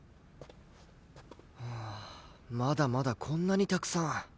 まだまだこんなにたくさん。